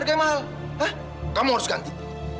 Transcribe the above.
kita beli udara itu